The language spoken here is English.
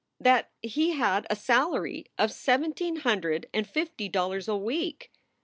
that he had a salary of seventeen hundred and fifty dollars a week!